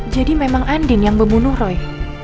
jadi memang andin yang membunuh roy